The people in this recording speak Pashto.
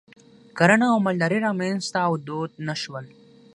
کرنه او مالداري رامنځته او دود نه شول.